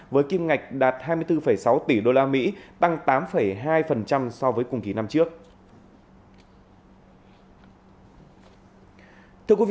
với kim ngạch đạt hai mươi bốn sáu tỷ usd tăng tám hai so với cùng kỳ năm trước